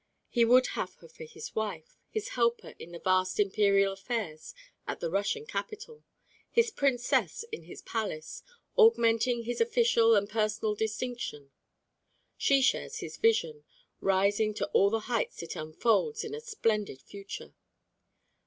He would have her for his wife, his helper in the vast imperial affairs at the Russian capitol, his princess in his palace, augmenting his official and personal distinction. She shares his vision, rising to all the heights it unfolds in a splendid future.